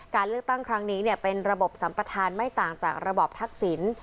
การเลือกตั้งครั้งนี้เป็นระบบสัมประธานไม่ต่างจากระบอบทักษิณ